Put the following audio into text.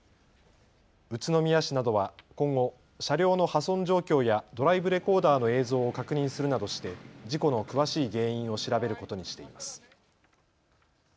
宇都宮市などは今後、車両の破損状況やドライブレコーダーの映像を確認するなどして事故の詳しい原因を調べることにしています。